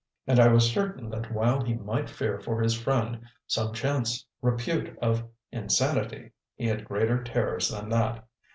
And I was certain that while he might fear for his friend some chance repute of insanity, he had greater terrors than that.